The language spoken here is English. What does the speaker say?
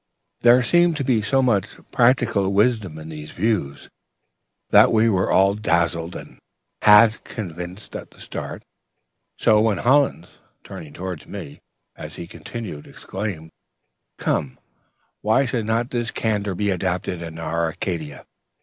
"There seemed to be so much practical wisdom in these views that we were all dazzled and half convinced at the start. So, when Hollins, turning towards me, as he continued, exclaimed, 'Come, why should not this candor be adopted in our Arcadia?